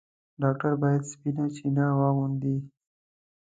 ډاکټر بايد سپينه چپنه واغوندي.